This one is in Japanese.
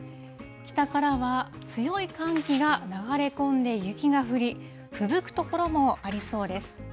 北からは強い寒気が流れ込んで雪が降り、ふぶく所もありそうです。